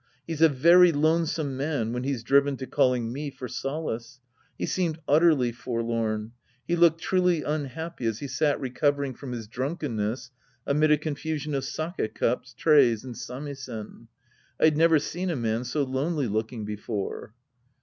He's a very lonesome man when he's driven to calling me for solace. He seemed utterly forlorn. He looked truly unhappy as he sat recovering from his drunkenness amid a confusion of sake cups, trays and samisen. I'd never seen a man so lonely looking before.